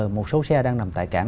một số xe đang nằm tại cảng